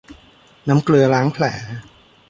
น้ำเกลือล้างแผล